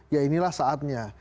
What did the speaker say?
ya inilah saatnya